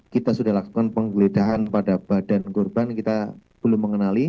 kita sudah lakukan penggeledahan pada badan korban kita belum mengenali